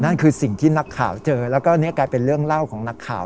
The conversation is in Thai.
นั่นคือสิ่งที่นักข่าวเจอแล้วก็นี่กลายเป็นเรื่องเล่าของนักข่าว